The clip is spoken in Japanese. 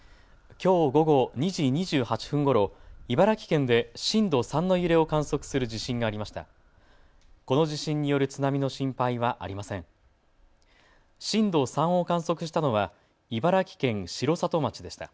きょう午後２時２８分ごろ、茨城県で震度３の揺れを観測する地震がありました。